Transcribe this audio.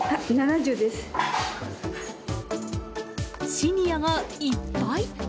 シニアがいっぱい！